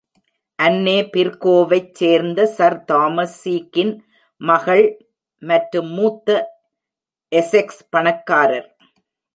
அன்னே பிர்கோவைச் சேர்ந்த sir Thomas சீக்கின் மகள் மற்றும் மூத்த எசெக்ஸ் பணக்காரர்.